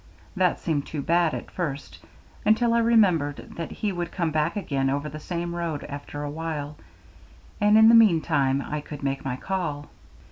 That seemed too bad at first, until I remembered that he would come back again over the same road after a while, and in the mean time I could make my call.